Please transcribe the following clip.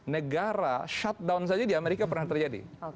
negara shutdown saja di amerika pernah terjadi